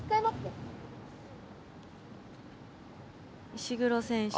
石黒選手。